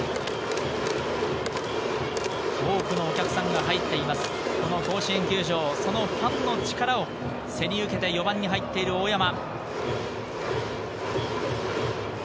多くのお客さんが入っています、この甲子園球場、そのファンの力を背に受けて４番に入っている大山。